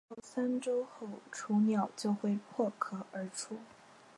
两到三周后雏鸟就会破壳而出。